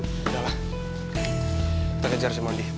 udah lah kita kejar si mondi